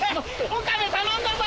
岡部頼んだぞ。